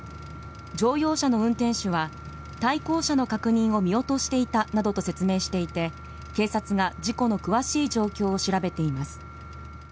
乗用車の運転手は対向車の確認を見落としていたなどと説明していて警察が事故の詳しい状況を調べています。